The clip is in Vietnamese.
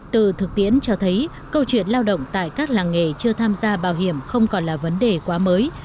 từ thực tiễn cho thấy câu chuyện lao động tại các làng nghề chưa tham gia bảo hiểm không còn là vấn đề quá mới